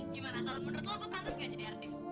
gimana kalau menurut lo aku pantas gak jadi artis